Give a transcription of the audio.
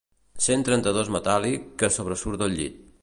Cent trenta-dos metàl·lic que sobresurt del llit.